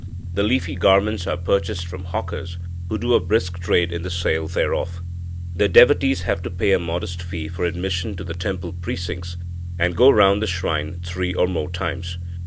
The leafy garments are purchased from hawkers, who do a brisk trade in the sale thereof. The devotees have to pay a modest fee for admission to the temple precincts, and go round the shrine three or more times.